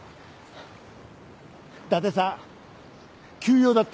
伊達さん急用だって。